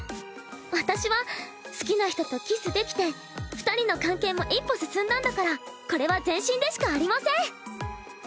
私は好きな人とキスできて二人の関係も一歩進んだんだからこれは前進でしかありません。